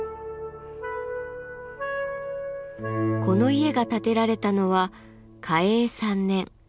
この家が建てられたのは嘉永３年。